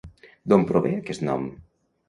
D'on prové aquest nom?